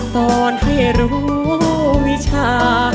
ตอนให้รู้วิชา